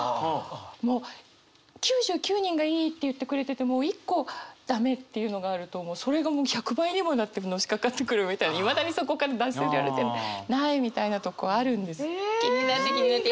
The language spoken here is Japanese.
もう９９人が「いい」って言ってくれてても１個駄目っていうのがあるともうそれが１００倍にもなってのしかかってくるみたいにいまだにそこから脱せられてないみたいなとこあるんです。